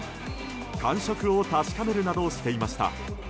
感触を確かめるなどしていました。